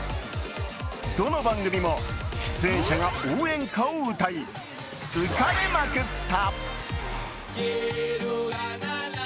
どの番組も、出演者が応援歌を歌い浮かれまくった。